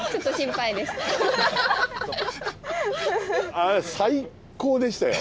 あれ最高でしたよ。